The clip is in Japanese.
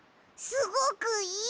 すごくいい！